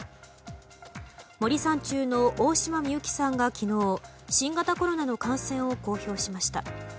森三中の大島美幸さんが昨日新型コロナの感染を公表しました。